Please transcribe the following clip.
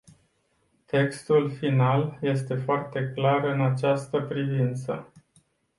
Textul final este foarte clar în această privință.